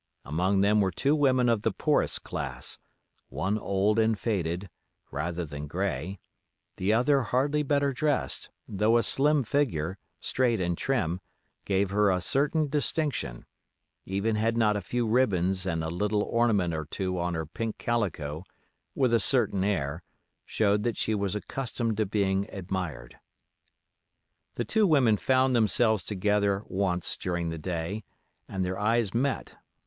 Among them were two women of the poorest class, one old and faded, rather than gray, the other hardly better dressed, though a slim figure, straight and trim, gave her a certain distinction, even had not a few ribbons and a little ornament or two on her pink calico, with a certain air, showed that she was accustomed to being admired. The two women found themselves together once during the day, and their eyes met.